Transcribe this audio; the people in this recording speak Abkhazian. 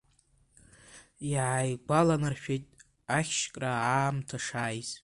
Иааигәаланаршәеит ахьшькра аамҭа шааиз.